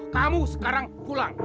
kamu sekarang pulang